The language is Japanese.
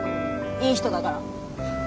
いい人だから。